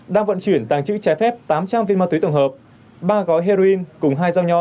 đang vận chuyển tàng chữ trái phép tám trăm linh viên ma túy tổng hợp ba gói heroin cùng hai dao nho